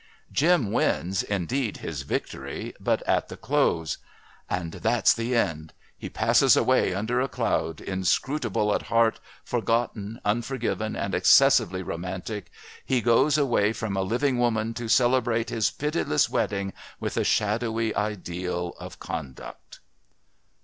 Jim wins, indeed, his victory, but at the close: "And that's the end. He passes away under a cloud, inscrutable at heart, forgotten, unforgiven, and excessively romantic.... He goes away from a living woman to celebrate his pitiless wedding with a shadowy ideal of conduct."